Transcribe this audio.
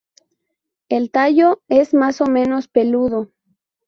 El tallo es más o menos peludo.